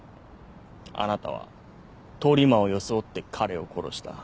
あなたは通り魔を装って彼を殺した。